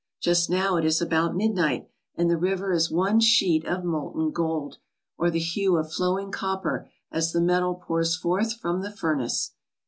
Just now it is about midnight and the river is one sheet of molten gold, or the hue of flowing copper as the metal pours forth from the furnace.